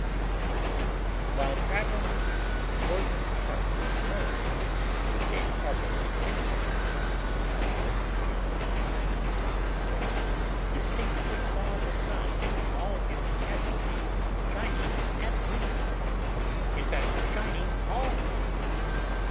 W. Emerson) while traveling through the northern part of Norway, with a cargo of tinware, on the 21st of June, 1836, distinctly saw the Sun in all its majesty, shining at midnight! in fact, shining all night!